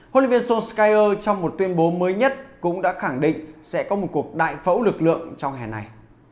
hlv solskjaer trong một tuyên bố mới nhất cũng đã khẳng định sẽ có một cuộc đại phẫu lực lượng trong hè này